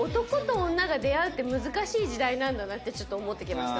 いや何かもうってちょっと思ってきました